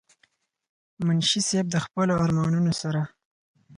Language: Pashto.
منشي صېب د خپلو ارمانونو سره